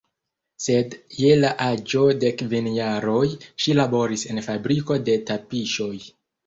Sed je la aĝo de kvin jaroj, ŝi laboris en fabriko de tapiŝoj.